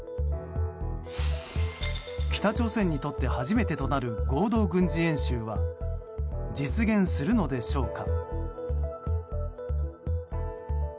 北朝鮮にとって初めてとなる合同軍事演習は実現するのでしょうか。